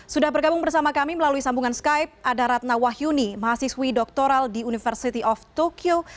sudah bergabung bersama kami melalui sambungan skype ada ratna wahyuni mahasiswi doktoral di university of tokyo